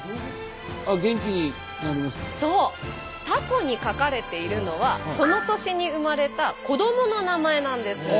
たこに書かれているのはその年に生まれた子どもの名前なんです。